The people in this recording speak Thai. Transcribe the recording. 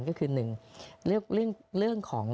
ก็คือหนึ่งเรื่องของ